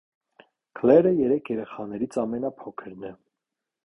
Քլերը երեք երեխաներից ամենափոքրն է։